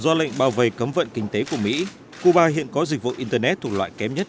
do lệnh bao vây cấm vận kinh tế của mỹ cuba hiện có dịch vụ internet thuộc loại kém nhất